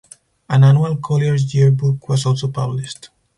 An annual "Collier's Year Book" was also published.